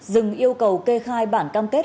dừng yêu cầu kê khai bản cam kết